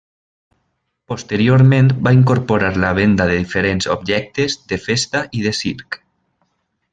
Posteriorment va incorporar la venda de diferents objectes de festa i de circ.